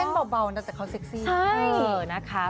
เขาเต้นเบาแต่เขาเซ็กซี่